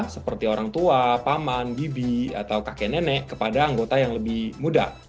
seperti orang tua paman bibi atau kakek nenek kepada anggota yang lebih muda